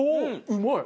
うまい！